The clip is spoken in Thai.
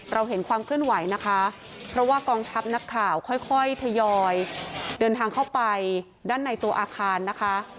เราเห็นความเคลื่อนไหวนะคะเพราะว่ากองทัพนักข่าวค่อยทยอยเดินทางเข้าไปด้านในตัวอาคารนะคะ